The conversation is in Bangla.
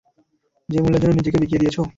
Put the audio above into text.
যে মূল্যের জন্য নিজেকে বিকিয়ে দিয়েছ?